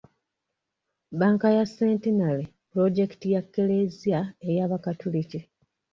Bbanka ya Centenary pulojekiti ya kereziya ey'abakatoliki.